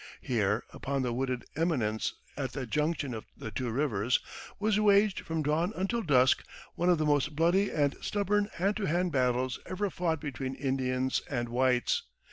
Here, upon the wooded eminence at the junction of the two rivers, was waged from dawn until dusk one of the most bloody and stubborn hand to hand battles ever fought between Indians and whites.